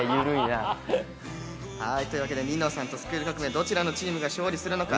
というわけで『ニノさん』と『スクール革命！』、どちらのチームが勝利するのか。